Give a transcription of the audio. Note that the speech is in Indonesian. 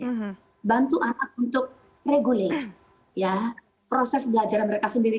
untuk menggantikan membantu anak untuk regulasi proses belajaran mereka sendiri